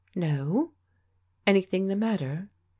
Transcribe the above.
" No ? Anything the matter